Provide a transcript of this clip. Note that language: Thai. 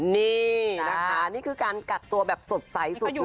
นี่นะคะนี่คือการกักตัวแบบสดใสสุด